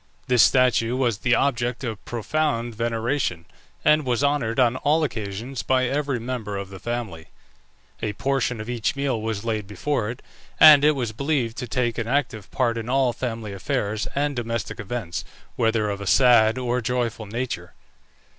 This statue was the object of profound veneration, and was honoured on all occasions by every member of the family; a portion of each meal was laid before it, and it was believed to take an active part in all family affairs and domestic events, whether of a sad or joyful nature.